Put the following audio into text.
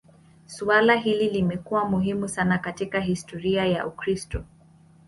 Suala hili limekuwa muhimu sana katika historia ya Ukristo.